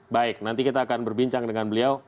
baik nanti kita akan berbincang dengan beliau